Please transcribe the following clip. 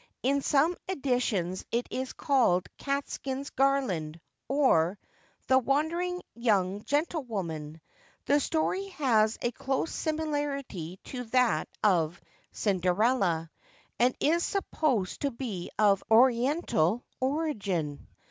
In some editions it is called Catskin's Garland; or, the Wandering Young Gentlewoman. The story has a close similarity to that of Cinderella, and is supposed to be of oriental origin.